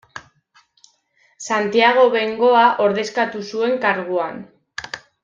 Santiago Bengoa ordezkatu zuen karguan.